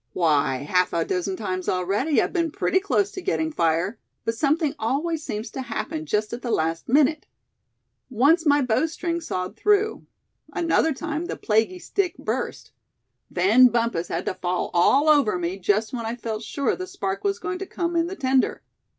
Why, half a dozen times already I've been pretty close to getting fire; but something always seemed to happen just at the last minute. Once my bowstring sawed through. Another time the plaguey stick burst. Then Bumpus had to fall all over me just when I felt sure the spark was going to come in the tinder.